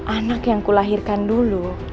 anak yang kulahirkan dulu